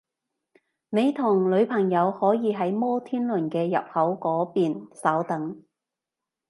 你同女朋友可以喺摩天輪嘅入口嗰邊稍等